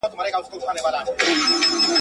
اوس په كلي كي چي هر څه دهقانان دي.